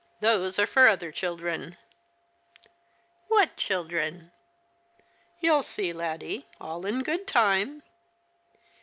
Those are for other chiklren." "What children?" " You'll see, Laddie, all in good time."